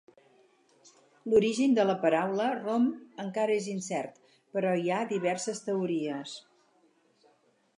L’origen de la paraula rom encara és incert, però hi ha diverses teories.